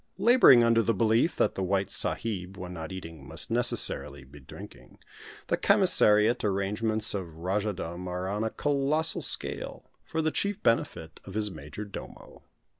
Labouring under the belief that the white sahib when not eating must necessarily be drinking, the commissariat arrangements of Rajahdom are on a colossal scale for the chief benefit of his major domo.